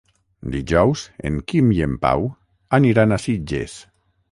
Dijous en Quim i en Pau aniran a Sitges.